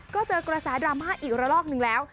ก็เจอกระแสดราม่าอีกระลอกหนึ่งแล้ว